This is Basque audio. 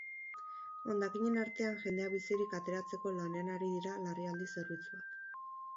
Hondakinen artean jendea bizirik ateratzeko lanean ari dira larrialdi zerbitzuak.